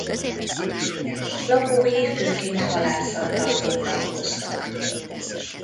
Lakói főként halászattal foglalkoztak.